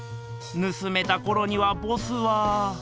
盗めたころにはボスは。